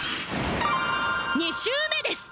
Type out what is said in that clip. ２週目です！